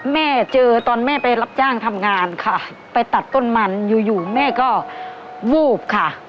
แม่เจอตอนแม่ไปรับจ้างทำงานค่ะไปตัดต้นมันอยู่อยู่แม่ก็วูบค่ะ